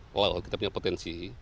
kalau kita punya potensi